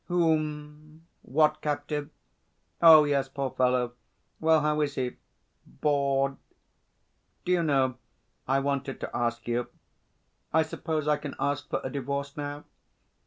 "Whom?... What captive?... Oh, yes! Poor fellow! Well, how is he bored? Do you know ... I wanted to ask you.... I suppose I can ask for a divorce now?"